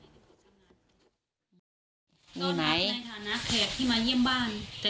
ในฐานะแขกที่มาเยี่ยมบ้าน